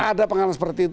ada pengalaman seperti itu